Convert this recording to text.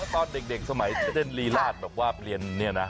ตอนเด็กสมัยเล่นรีราชแบบว่าเรียนเนี่ยนะ